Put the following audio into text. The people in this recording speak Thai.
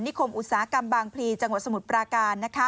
คมอุตสาหกรรมบางพลีจังหวัดสมุทรปราการ